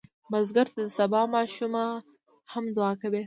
بزګر ته د سبا ماشومه هم دعا کوي